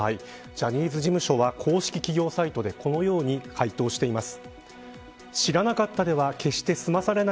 ジャニーズ事務所は公式企業サイトでこのように回答しています。